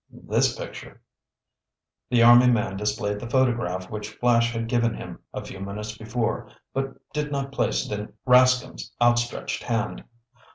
"This picture." The army man displayed the photograph which Flash had given him a few minutes before, but did not place it in Rascomb's outstretched hand.